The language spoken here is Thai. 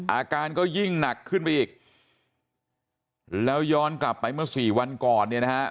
อาการก็ยิ่งหนักขึ้นไปอีกแล้วย้อนกลับไปเมื่อสี่วันก่อนเนี่ยนะฮะ